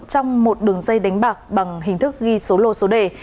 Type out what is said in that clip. trong một đường dây đánh bạc bằng hình thức ghi số lô số đề